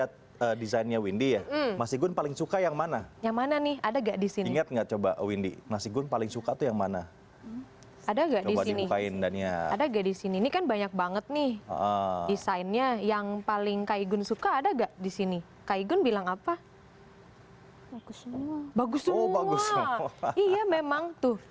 jadi windy itu mulai suka gambar sejak kapan